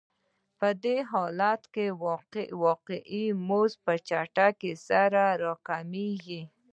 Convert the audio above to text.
په دې حالت کې واقعي مزد په چټکۍ سره راکمېږي